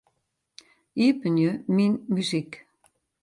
Iepenje Myn muzyk.